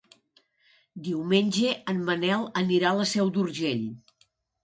Diumenge en Manel anirà a la Seu d'Urgell.